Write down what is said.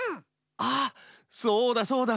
ああそうだそうだ！